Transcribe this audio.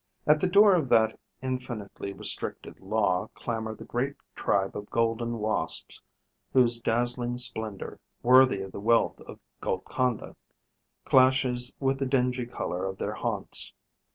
At the door of that infinitely restricted law clamour the great tribe of Golden Wasps, whose dazzling splendour, worthy of the wealth of Golconda, clashes with the dingy colour of their haunts.